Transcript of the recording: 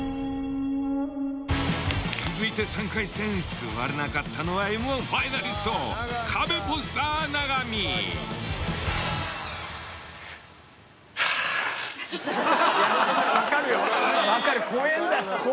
続いて３回戦座れなかったのはＭー１ファイナリストわかるよわかる怖ぇんだ。